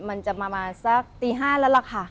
มันจะมาสักตี๕แล้วล่ะค่ะ